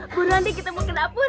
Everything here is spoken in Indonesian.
buruan deh kita mau ke dapur